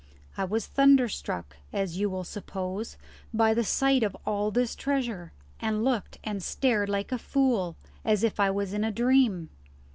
I was thunder struck, as you will suppose, by the sight of all this treasure, and looked and stared like a fool, as if I was in a dream.